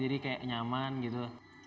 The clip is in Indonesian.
jadi kayak nyaman gitu